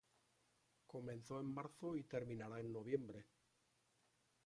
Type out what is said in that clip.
Comenzó en marzo y terminará en noviembre.